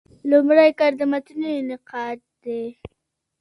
لومړنی کار د متني نقاد دﺉ.